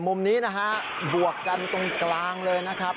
มุมนี้นะฮะบวกกันตรงกลางเลยนะครับ